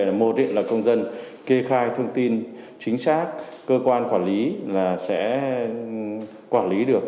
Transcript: một là công dân kê khai thông tin chính xác cơ quan quản lý là sẽ quản lý được